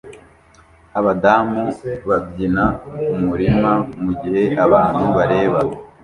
abadamu babyina kumurima mugihe abantu bareba